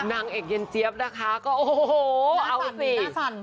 นางเอกเย็นเจี๊ยบนะคะก็โอ้โหแบบนี้ดีหน้าสั่น